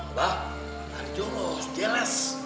abah jangan jolos jeles